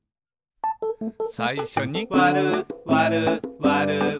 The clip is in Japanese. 「さいしょにわるわるわる」